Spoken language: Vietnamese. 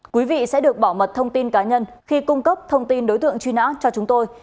quý vị sẽ được bảo mật thông tin cá nhân khi cung cấp thông tin đối tượng truy nã cho chúng tôi